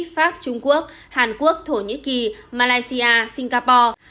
pháp trung quốc hàn quốc thổ nhĩ kỳ malaysia singapore